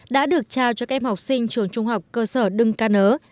đã được trao cho các em học sinh trường trung học cơ sở đưng ca nớ